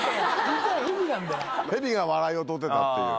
蛇が笑いを取ってたっていう。